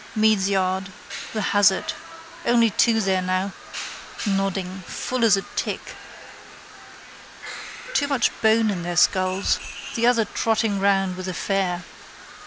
Meade's yard. The hazard. Only two there now. Nodding. Full as a tick. Too much bone in their skulls. The other trotting round with a fare.